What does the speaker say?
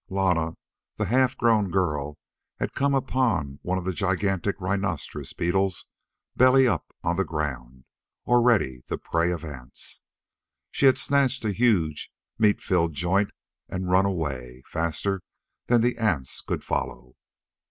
Lana, the half grown girl, had come upon one of the gigantic rhinoceros beetles belly up on the ground, already the prey of ants. She had snatched a huge, meat filled joint and run away, faster than the ants could follow.